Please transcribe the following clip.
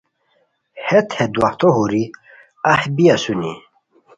ہیت ہے دواہتو ہوری اہی بی اسونی